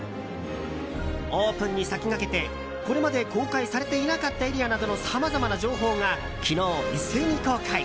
オープンに先駆けてこれまで公開されていなかったエリアなどのさまざまな情報が昨日、一斉に公開。